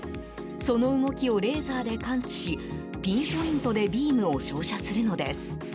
その動きをレーザーで感知しピンポイントでビームを照射するのです。